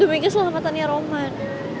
demikian selamatannya roman